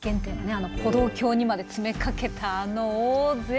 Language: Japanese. あの歩道橋にまで詰めかけたあの大勢の。